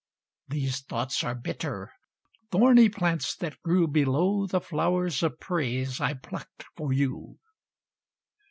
These thoughts are bitter—thorny plants, that grew Below the flowers of praise I plucked for you.